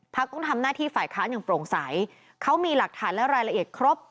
ต้องทำหน้าที่ฝ่ายค้านอย่างโปร่งใสเขามีหลักฐานและรายละเอียดครบ